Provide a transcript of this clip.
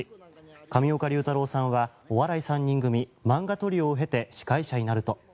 上岡龍太郎さんはお笑い３人組、漫画トリオを経て司会者になると。